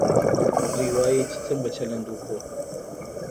دوی وايي چې څنګه چلند وکړو.